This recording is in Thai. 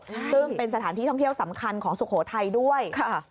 ซึ่งเป็นสถานที่ท่องเที่ยวสำคัญของสุโขทัยด้วยค่ะ